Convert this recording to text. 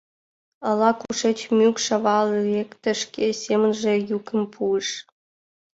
Ала-кушеч мӱкш ава лекте, шке семынже йӱкым пуыш...